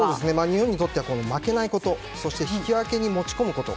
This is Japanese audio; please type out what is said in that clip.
日本にとっては負けないこと引き分けに持ち込むこと。